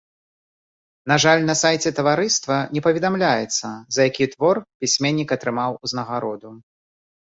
На жаль, на сайце таварыства не паведамляецца, за які твор пісьменнік атрымаў узнагароду.